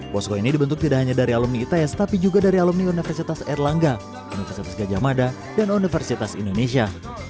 posko ini dibentuk tidak hanya dari alumni its tapi juga dari alumni universitas erlangga universitas gajah mada dan universitas indonesia